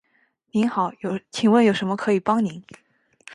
您好，请问有什么可以帮您？